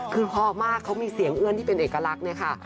คือพอมากเขามีเสียงเอื้อนที่เป็นเอกลักษณ์เนี่ยค่ะ